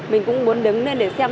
mình cũng muốn đứng lên để xem